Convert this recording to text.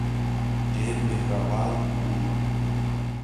ډېر مهربان وو.